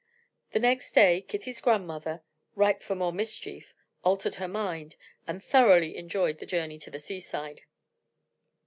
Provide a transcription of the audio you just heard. The next day Kitty's grandmother ripe for more mischief altered her mind, and thoroughly enjoyed her journey to the seaside.